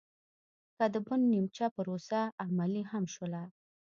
که د بن نیمچه پروسه عملي هم شوله